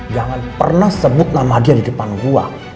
jangan pernah sebut nama dia di depan gua